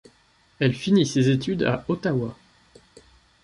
Elle finit ses études à Ottawa.